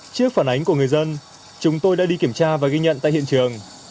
trước phản ánh của người dân chúng tôi đã đi kiểm tra và ghi nhận tại hiện trường